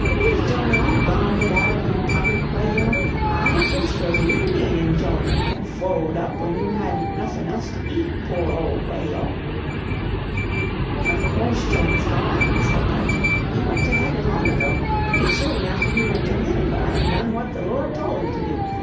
Is Jonah all goneded out of you 'tomach, whay al? I finks 'twas weal mean in Djonah to get froed up when you hadn't noffin' else to eat, POOR old whay al." "Of COURSE Jonah's gone," said Budge, "he went to heaven long ago pretty soon after he went to Nineveh an' done what the Lord told him to do.